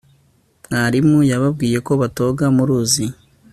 mwarimu yababwiye ko batoga mu ruzi